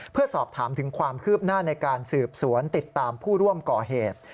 เพื่อสอบถามถึงความคืบหน้าในการสืบสวนติดตามผู้ร่วมก่อเหตุ